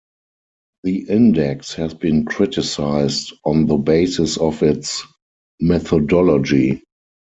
The Index has been criticized on the basis of its methodology.